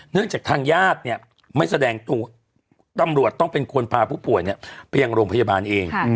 เนื่องจากทางญาติไม่แสดงตัวต้องเป็นตรงควรพาผู้ป่วยไปยังรงพยาบาลเอง